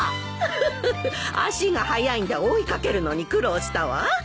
フフフ足が速いんで追い掛けるのに苦労したわ。